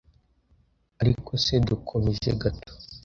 ariko se dukomeje gato,